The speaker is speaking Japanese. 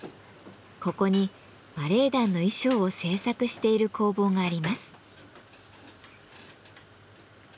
ここにバレエ団の衣装を製作している工房があります。